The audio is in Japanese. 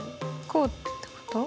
こうってこと？